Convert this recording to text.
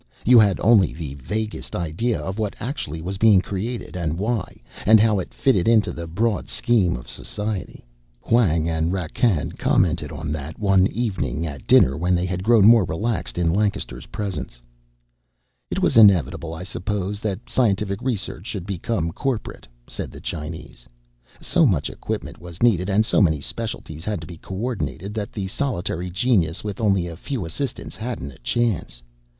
You had only the vaguest idea of what actually was being created, and why, and how it fitted into the broad scheme of society. Hwang and Rakkan commented on that, one "evening" at dinner when they had grown more relaxed in Lancaster's presence. "It was inevitable, I suppose, that scientific research should become corporate," said the Chinese. "So much equipment was needed, and so many specialties had to be coordinated, that the solitary genius with only a few assistants hadn't a chance.